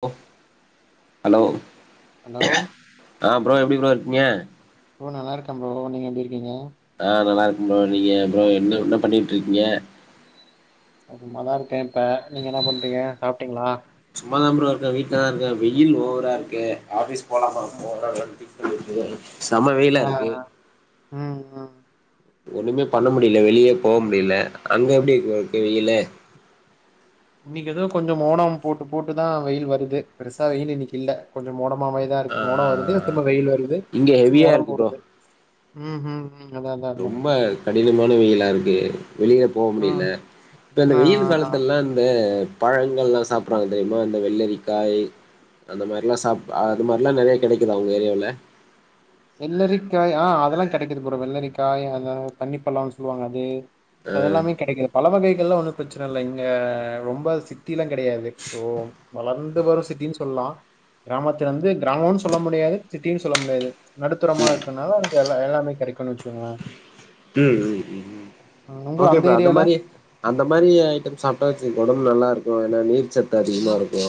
ஹ hello hello ஆ bro எப்படி ப்ரோ ஏ ரொம்ப நல்லாக்க ப்ரோ நீங்க எப்படி இருக்கீங்க ஆஹ் நல்லா இருக்க ப்ரோ நீங்க ப்ரோ என்ன ஒன்னு பண்ணிட்ருக்கீங்க நல்லாருக் அப்ப நீங்க என்ன பண்றீங்க சாப்ட்டீங்களா சும்மாதா ப்ரோ இருக்கே வீட்ல தா இருக்கே வெயில் ஓவராக இருக்கு ஆஃபீஸ் போகாம போக வேண்டி ஒகே சம வெயிலா ஆ இருக்கு ம் ம் ஒண்ணுமே பண்ண முடியல வெளியே போக முடியல அங்க எப்டி இரு இருக்கு வெயில இன்னைக்கு ஏதோ கொஞ்ச மோனம் போட்டு போட்டுதா வெயில் வருது பெருசா வெயில் இன்னைக்கு இல்ல கொஞச மோ மாவதா ஆ இருக்கு மோட ஆ வருது ஆ தும்ப வெயில் வருது இங்க ச ஹெவியா மோட இருக்கு ப்ரோ போடுது ம் ம் ம் அதா அதா அதா ரொம்ப கடினமான வெயிலா இருக்கு வெளியில போக முடியல இப்ப இந்த ஆ ஆ வெயில் ஆ காலத்து எல்லா இந்த பழங்கள்லா சாப்பறாங்க தெரியுமா இந்த வெள்ளரிக்காய் அந்த மாரிலா சா அது மாரிலா நெறைய கெடைக்குது அவங்க ஏரியாவில வெள்ளரிக்காய் ஆ அதெல்லா கெடைக்குது ப்ரோ வெள்ளரிக்காய் அத தண்ணிப்பழம்னு சொல்லுவாங்க அது அதெல்லாமே கெடைக்குது பழ வகைகள்ல ஒனு பிரச்சனை இல்ல இங்க ரொம்ப ல்லா கெடையாது சோ வளந்து வரும் சிட்டின்னு சொல்லலா கிராமத்த இருந்து கிராமம்னு சொல்ல முடியாது சிட்டினு சொல்ல முடியாது நடுத்தரமா இருக்குனா எல்லா எல்லாமே கெடைக்கனு வச்சுக்கங்களே ம் ம் உங்க ஓகே ப்ரோ அந்த ஏரியால மாரி அந்த மாரி ஐட்டம் சாப்ட்டா வச்சு உடம்பு நல்லா இரு இப்போ ஏன்னா நீர் சத்து அதிகமா இருக்கு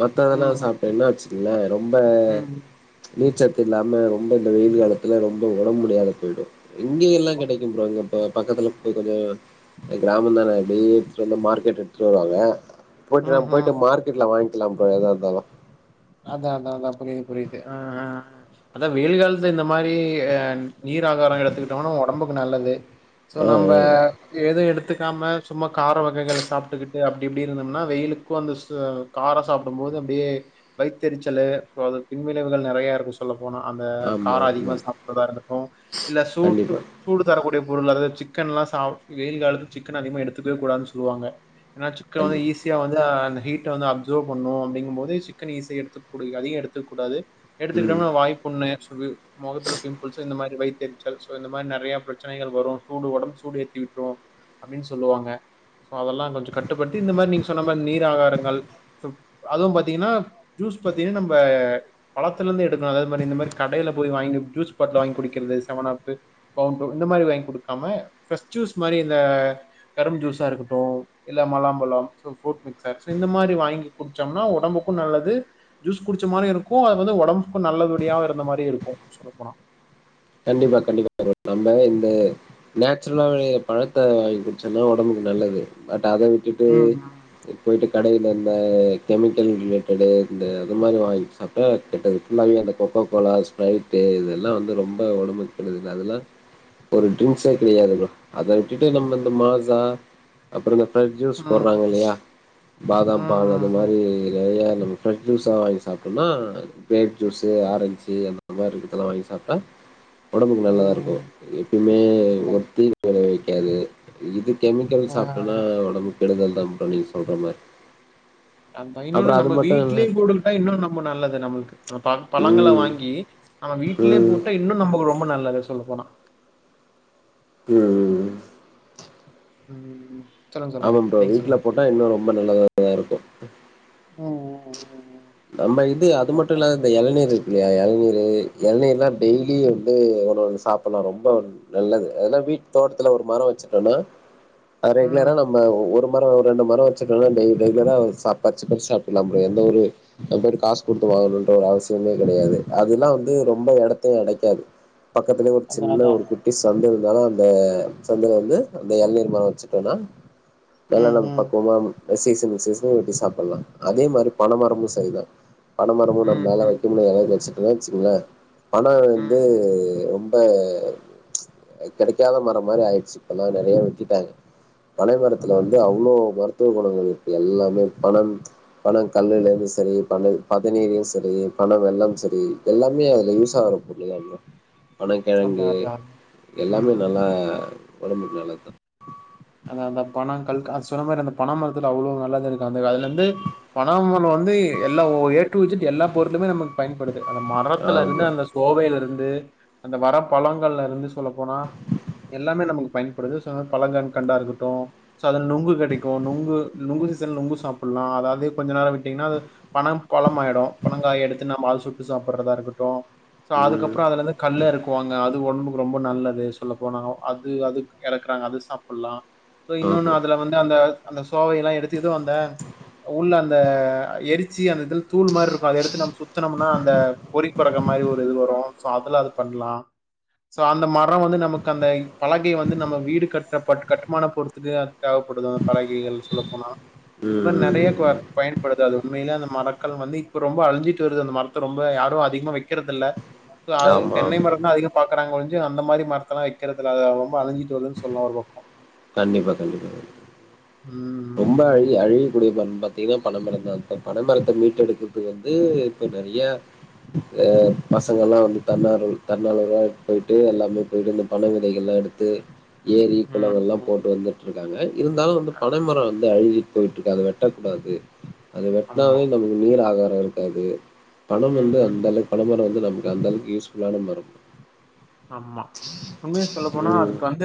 மத்தெல்லா ம் சாப்ட்டே என்னாச்சு [unintelligible] ரொம்ப ம் நீச்ச இல்லாம ரொம்ப இந்த வெயில் காலத்துல ரொம்ப ஒடம் முடியாத போயிடு இங்க இதெல்லா க பக்கத்துல போய் கொஞ்ச கிராமம் தானே எப்படிய எடு வ மார்க்கெட் எடுத்துட்டு வருவாங்க போயிட்டு ம் நம் ம் போயிட்டு மார்க்கெட்ல [inaudible] எல்லா போலதா இருந்தாலு அதா அதா அதா புரியுது புரியுது ஆ ஆ ஹ அதா வெயில் காலத்து இந்த மாரி அ நீர் ஆகார எடுத்துக்கிட்டோம்னா ஒடம்புக்கு நல்லது சோ ஆ நம்ம எது எடுத்து நாம சும்மா கார வகைகளை சாப்ட்டுக்கிட்டு அப்டி இப்டி இருந்தோம்னா வெயிலுக்கு அந்த சூ கார சாப்டும் போது அப்டியே வைத்தறிரிச்சலு சோ அது பின்வினைவுகள் நெறையா இருக்கு சொ போன அந்த ஆமா கார அதிகமா ஆமா சாப்டுறதா இருக்கட்டு இல்ல சூட்டு கண்டிப்பா சூடு தரக்கூடிய பொருள்ளது சிக்கல்லா சா வெயில் காலத்து சிக்கன் அதிகமா எடுத்துக்கவே கூடாது சொல்லுவாங்க என்னாச் சிக்கன் வந்து கண்டிப்பா ஈஸியா வந்து ஹீட் வந்து அப்சர்வ் பண்ணு அப்படிங்கும் போது ன் இசை எடுத்துக்கூ அதையும எடுத்துக் கூடாது ம் எடுத்துக்கிட்டோம்ன்னா வாய்ப்புண்ணு சொகு மொகத்துல பிம்பிள்ஸ் இந்த மாரி வைத் ச்சல்சோ இந்த மாரி நெறைய பிரச்சனைகள் வரு சூடு உடம்பு சூடு ஏத்தி விட்டுரு அப்படின்னு சொல்லுவாங்க சோ அதெல்லா கொஞ்ச கட்டுப்படுத்தி இந்த மாரி நீங்க சொன்ன மாரி நீர் ஆகாரங்கள் அதுவு பாத்தீங்கன்னா ஜூஸ் பாத்திங்கன நம்ம பழத்தலருந்து எடுக்கணு அத மாரி இந்த மாரி கடையில போய் வாங்க ஜூஸ் பாட்ல வாங்கி குடிக்கிறது செவனப்பு பவுண்டோ இந்த மாரி வாங்கி குடுக்காம பிரெஷ் ஜூஸ் மாரி இந்த கரும் ஜூஸா இருக்கட்டு இல்ல மலாம்பழம் புரூட் மிக்சர் இந்த மாரி வாங்கி குடிச்சோம்னா உடம்புக்கு நல்லது ஜூஸ் குடிச்ச மாரி இருக்கு. அது வந்து உடம்புக்கு நல்லபடியாவ இருந்த மாரி இருக்கு சொல்ல போனா கண்டிப்பா கண்டிப்பா நம்ம இந்த நேச்சுரலா வெளைய்ற பழத்த வாங்கி குடிச்சோம்ன்னா உடம்புக்கு நல்லது பட் அத விட்டுட்டு ம் ம் போய்ட்டு கடையல இருந்த கெமிக்கல் ரிலேட்டடு இந்த அது மாதிரி வாங்கி சாப்பிட்டா கெட்டதுக்குல்லாமே அந்த கொக்கோ கோககோலா ஸ்பிரரைட்டு இதெல்லா வந்து ரொம்ப உடமைது அதெல்லா ஒரு ஜூஸ்சே கெடையாது அத விட்டுட்டு நம்ம இந்த மாசா அப்புற ஃப்ரெட் ஜூஸ் ம் போறாங்க இல்லையா பாதாம் பால் அந்த ம் மாரி நெறையா நம பிரெஷ் ஜூஸா வாங்கி சாப்ட்டோம்னா கிரேப் ஜூஸு ஆரஞ்சு அந்த மாரி இருக்கதெல்லா வாங்கி சாப்ட்டா ஒடம்புக்கு ம் நல்லாருக்கு ம் எப்பயுமே ஆமா ஒருத்தீ விளை வக்கு ஏது இது கெமிக்கல் ஆ சாப்ட்டனா ஒடம்பு கெடுதல் தா‌ ப்ரோ நீங்க சொல்ற மாரி அந்தா இன்னொன்னு அப்புறம் அது நம்ம மட்டும் இல்ல வீட்லயே போட்டுக்கிட்டா இன்னு ரொம்ப நல்லது நம்மளுக்கு பழ பழங்கள ம். வாங்கி நம்ம வீட்லயே ம். போட்டா இன்னு நம்மளுக்கு ரொம்ப நல்லது சொல்ல போனா ம் ம் ம் சொல்லுங்க சொல்லுங்க ஆமா ப்ரோ நீங்க வீட்ல சொல்லுங்க போட்டா இன்னு ரொம்ப நல்லதா இருக்கு ம் நம்ம இது அது மட்டூ இல்லாத இந்த எளநீரு ஏ எளநீரு எளநீர்லா டெய்லி ம் ம் வந்து ஒன்னொன்னு சாப்டலா ரொம்ப நல்லது அதெல்லா வீட்டு் தோட்டத்துல ஒரு மரோ வச்சுட்டோனா ஆ ரெகுலரா ம் நம்ம ஒரு மரோ ரெண்டு மரோ வச்சுக்கோங்க டெய்லி ரெகுலரா சா பர்ச்சு பர்ச்சு சாப்பலா ப்ரோ எந்த ஒரு நம் பொயிட்டு காசு குடுத்து வாங்கணுன்ற ஒரு அவசியமே கெடையாது அதெல்லா வந்து ரொம்ப எடத்தையு அடைக்காது பக்கத்துலயே அதான் சின்ன அதான் ஒரு குட்டி சந்தை அந்த சந்துல வந்து அந்த எளநீர் மரோ வச்சுடோன்னா எல்லா ம் ம் அதான் நம்ப அதான் ம் பக்குவ மேம் சீசனுக்குசீசன் வெட்டி சாப்பலா அதே மாரி பனமரமு செய்லா பன மரமு ம் நம்மேல [unintelligible] ம் ம் இல்ல வச்சுகுங்க பனமரோ ம் வந்து ரொம் இப்ப ம்ச் கெடைக்காத மரோ மாரி ஆயிட்ச்சி இப்பெல்லா நெறையா வெட்டிட்டாங்க பல மரத்துல அதா அதா வந்து அதா அவ்ளோ மருத் துவ குணங்கள் இருங்கு எல்லாமே இருக் பனம் பன கல்லுலருந்து செரி பனல் பதனிவே செரி பன வெல்லம் செரி எல்லா மே அதுல யூஸ் ம் ஆகறதுக்கு இல்ல மேம் அதா பனங்கெழங்கு அதா ம் எல்லாமே ம் நல்லா ஒடம்புக்கு நல்லத்தா அந்த அந்த பன கல்க் அத் சொன்ன மாரி அந்த பனமரத்துல அவ்ளோ நல்லது இருக்கு அந்த அதுல இருந்து பனமரோ வந்து எல்லா ஏ டு இஜட் எல்லா பொருலுமே நமக்கு பயன்படுது அந்த மரத்துல இருந்து ஆமாம் அந்த தோகைல இருந் அந்த வர பழங்கள்ல இருந்து சொல்ல போனா எல்லாமே நமக்கு பயன்படுது சோ அந் பழங்கண் கண்டாருக்கட்டு சோ அதுல நொங்கு கெடைக்கு நொங்கு நொங்கு சீசன்ல நொங்கு சாப்ட்லா அதாது கொஞ்ஜ நேரோ விட்டீங்கன்னா அது பனம் கொழமாயிடு பனங்காய எடுத்து நம்ப அத சுட்டு சாப்பட்றதா இருக்கட்டு சோ ம் அதுக்கப்றோ அதுலருந்து கல்லு எறக்குவாங்க அது ஒடம்புக் ரொம்ப நல்லது சொல்ல போனா அது அது எறக்குறாங்க அது சாப் ஃபுல்லா இன்னொன்னு ஆமாம் அதுல வந்து அந்த அந்த சோவெயலா எடுத்து இது வந்தா உள்ள அந்த எரிச்சி டீ அந்த இதுல தூள் மார்ருக்கு அத எடுத்து நம்ப சுத்துனம்னா அந்த பொறி கெடகம் மாரி ஒரு இது வரு சோ அதுலா அது பண்ணலா சோ அந்த மரோ வந்து நமக்கு அந்த பலகைய வந்து நம்ப வீடு கட் கப் பட் கட்டுமான போறத்துக்கு தேவப்படுது பலகைகள் சொல்லபோனா ம் இந்மார் ம் நெறையா ம் கொ ம் பயன்படுது அது உண்மைலே நம் மரக்களு வந்து இப்ப ரொம்ப அழிஞ்சிட்டு வருது அந்த மரத்த ரொம்ப யாரு அதிகமா வெக்கறது இல்ல து அது ஆமாம் தென்னை ஆமாம் மரம் தா அதிகம் பாக் வெக்றாங்க ஒழிஞ்ச்சி அந்த மாரி மரத்தெல்லா வெக்றது இல்ல அது ரொம்ப அழிஞ்சி சொல்லுனு சொல்லார்வோ கண்டிப்பா கண்டிப்பா ம் ரொம்ப அழிய ம் அழிக்கூடிய ப பாத்தீங்கன்னா பண மர தான் இப்ப பனமரத்த மீட்டு எடுக்கதுக்கு வந்து இப்ப நறைய அ பசங்கல்லா வந்து தன்னாரு தன்னாரல்லா போயிட்டு எல்லாமே போயிட்டு இந்த பன விதைகள்லா எடுத்து ஏரி ம் ம் குளங்கள்ல்லா ம் போட்டு வந்துட்டருக்காங்க இருந்தாலு வந்து ப அப்பறோ வந்து அழிஞ்சுட் போயிட்ருக்கு அத வெட்டக்கூடாது அது ஆமா வெட்னாவே நமக்கு நீர் ஆக [unintelligible] காது பணம் ம் வந்து ம் அந்தள பண மரம் வந்து நமக் அந்த அளவுக்கு யூஸ் ஃபுல்லான மரம் ஆமா உண்மைய சொல்ல போனா அதுக்கு வந்து